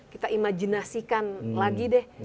kita imajinasikan lagi deh